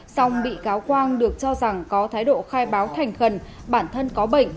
xong bị cáo quang được cho rằng có thái độ khai báo thành khẩn bản thân có bệnh